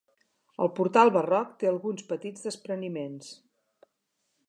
El portal barroc té alguns petits despreniments.